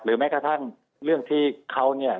แม้กระทั่งเรื่องที่เขาเนี่ย